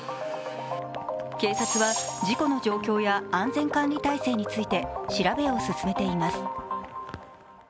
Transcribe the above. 警察は事故の状況や安全管理体制について調べを進めています。